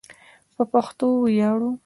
په پښتو ویاړو